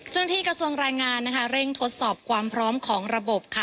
ที่กระทรวงแรงงานนะคะเร่งทดสอบความพร้อมของระบบค่ะ